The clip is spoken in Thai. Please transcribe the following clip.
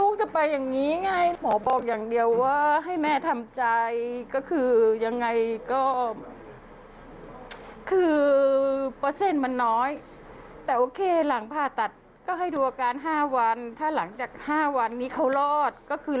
ก็บอกว่ารอดมาแล้วก็คือ